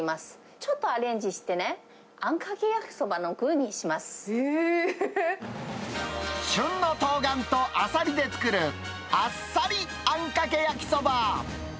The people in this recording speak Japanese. ちょっとアレンジしてね、あんか旬のトウガンとアサリで作る、あっさりあんかけ焼きそば。